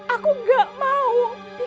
aku ingin ketemu dengan dia